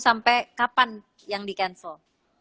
sampai kapan yang di cancel